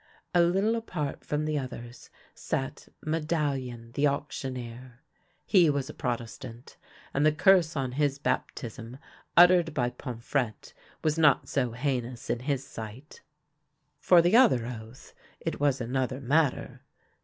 A little apart from the others sat Medallion the auctioneer. He was a Protestant, and the curse on his baptism uttered by Pomfrette was not so heinous in his sight. For the other oath, it was another matter.